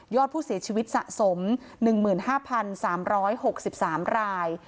อดผู้เสียชีวิตสะสม๑๕๓๖๓ราย